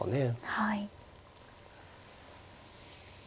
はい。